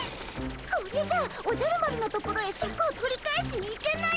これじゃおじゃる丸のところへシャクを取り返しに行けないよ。